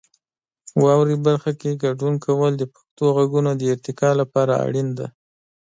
واورئ برخه کې ګډون کول د پښتو غږونو د ارتقا لپاره اړین دی.